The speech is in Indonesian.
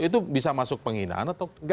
itu bisa masuk penghinaan atau